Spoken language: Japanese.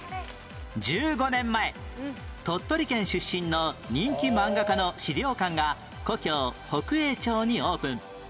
１５年前鳥取県出身の人気漫画家の資料館が故郷北栄町にオープン